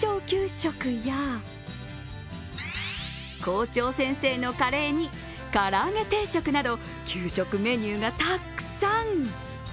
食や校長先生のカレーに唐揚げ定食など給食メニューがたくさん。